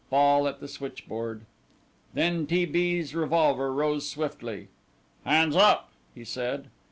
Fall at the switchboard. Then T. B.'s revolver rose swiftly. "Hands up!" he said.